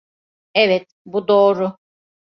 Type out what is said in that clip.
Evet, bu doğru.